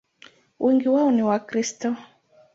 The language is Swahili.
Wengi wao ni Wakristo.